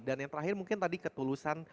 dan yang terakhir mungkin tadi ketulusan